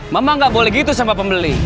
mama nggak boleh gitu sama pembeli